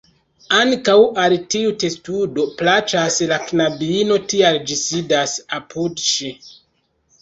Ankaŭ al tiu testudo plaĉas la knabino, tial ĝi sidas apud ŝi.